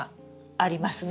ありますね。